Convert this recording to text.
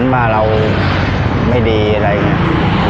ว่าเราไม่ดีอะไรอย่างนี้